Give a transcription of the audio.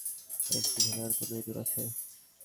এই স্টেশনে আর কোনও ইঁদুর আছে?